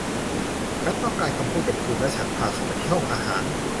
ฉันต้องการคำพูดกับคุณ และฉันพาเขาไปที่ห้องอาหาร